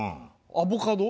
アボカド？